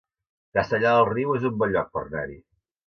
Castellar del Riu es un bon lloc per anar-hi